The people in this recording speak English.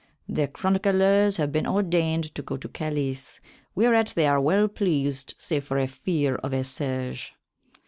The chronyclers have been ordayned to go to Calys, whereat they are well pleased save for a feare of a siege.